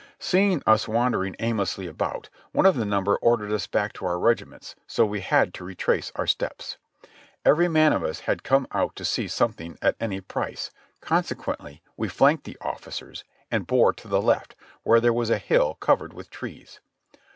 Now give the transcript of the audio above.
Seeing us wandering aimlessly about, one of the number ordered us back to our regiments, and so we had to retrace our steps. Every man of us had come out to see some thing at any price, consequently we flanked the ofBcers and bore to the left, where there was a hill covered with trees.